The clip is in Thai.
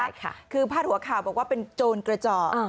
ใช่ค่ะคือพาดหัวข่าวบอกว่าเป็นโจรกระเจาะ